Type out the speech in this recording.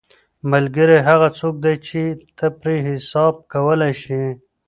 ملګری هغه څوک دی چې ته پرې حساب کولی شې.